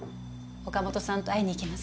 岡本さんと会いに行きますから。